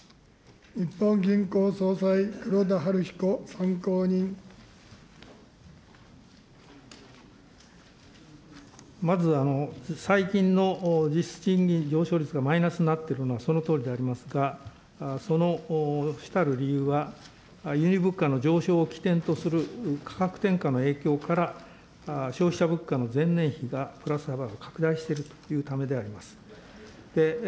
日本銀行総裁、まず、最近の実質賃金、上昇率がマイナスになってるのはそのとおりでありますが、その主たる理由は、輸入物価の上昇をきてんとする価格転嫁の影響から、消費者物価の前年比がプラス幅が拡大しているためということであります。